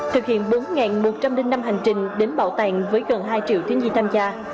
thực hiện bốn một trăm linh năm hành trình đến bảo tàng với gần hai triệu thiếu nhi tham gia